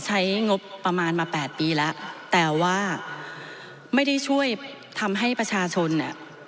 ใช้งบประมาณมา๘ปีแล้วแต่ว่าไม่ได้ช่วยทำให้ประชาชนเนี่ย